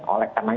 oleh karena itu